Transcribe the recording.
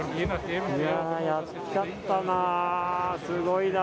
すごい。